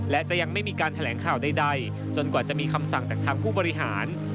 และจะยังไม่มีการแถลงข่าวใดจนกว่าจะมีคำสั่งจากทางผู้บริหาร